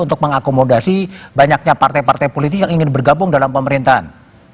untuk mengakomodasi banyaknya partai partai politik yang ingin bergabung dalam pemerintahan